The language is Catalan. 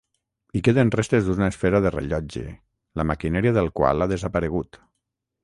Hi queden restes d'una esfera de rellotge, la maquinària del qual ha desaparegut.